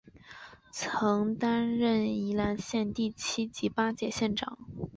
曾担任宜兰县第七及八届县长。